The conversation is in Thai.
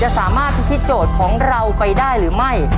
สามารถพิธีโจทย์ของเราไปได้หรือไม่